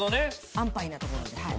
安パイなところではい。